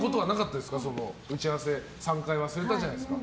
打ち合わせ３回忘れたじゃないですか。